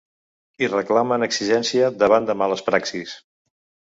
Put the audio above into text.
I reclamen exigència davant de “males praxis”.